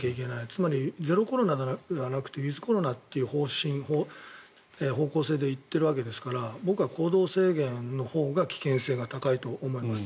つまりゼロコロナではなくてウィズコロナという方向性で行っているわけですから僕は行動制限のほうが危険性が高いと思います。